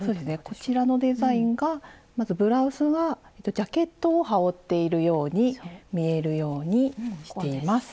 こちらのデザインがまずブラウスはジャケットを羽織っているように見えるようにしています。